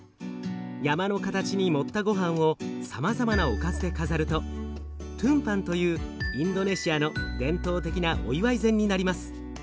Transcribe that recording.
山の形に盛ったごはんをさまざまなおかずで飾るとトゥンパンというインドネシアの伝統的なお祝い膳になります。